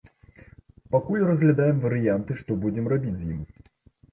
Пакуль разглядаем варыянты, што будзем рабіць з ім.